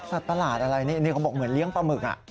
ประหลาดอะไรนี่เขาบอกเหมือนเลี้ยงปลาหมึก